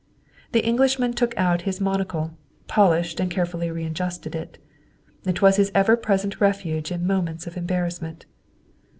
The Englishman took out his monocle, polished and carefully readjusted it. It was his ever present refuge in moments of embarrassment.